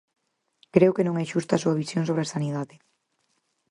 Creo que non é xusta a súa visión sobre a sanidade.